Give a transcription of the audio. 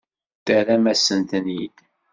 Terram-asen-ten-id.